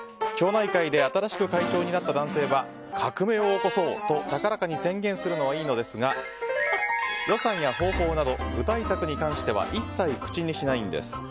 町内会で新しく会長になった男性は革命を起こそうと高らかに宣言するのはいいのですが予算や方法など具体策に関しては一切口にしないんです。